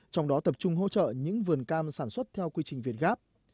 trong đó tập trung hỗ trợ những vườn cam sản xuất theo quy trình việt gáp